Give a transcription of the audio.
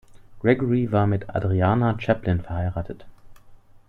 Gregory war mit Adriana Chaplin verheiratet.